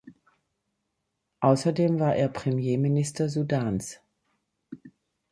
Außerdem war er Premierminister Sudans.